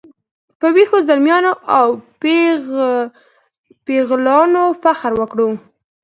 په ویښو زلمیانو او پیغلانو فخر وکړو.